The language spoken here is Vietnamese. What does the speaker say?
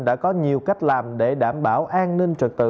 đã có nhiều cách làm để đảm bảo an ninh trật tự